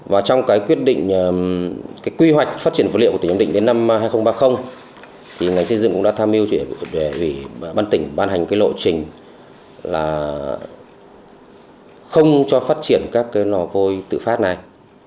và trong cái quyết định cái quy hoạch phát triển vật liệu của tỉnh ấn định đến năm hai nghìn ba mươi thì ngành xây dựng cũng đã tham mưu để bán tỉnh ban hành cái lộ trình là không cho phát triển các cái lò vôi tự phát này